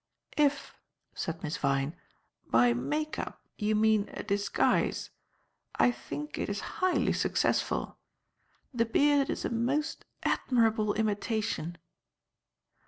"If," said Miss Vyne, "by 'make up' you mean a disguise, I think it is highly successful. The beard is a most admirable imitation."